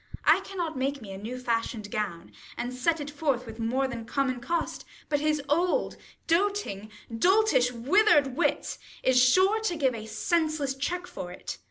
I cannot make me a new fashion'd gown, And set it forth with more than common cost ; 10 But his old doting doltish wither'd wit, Is sure to give a senseless check for it.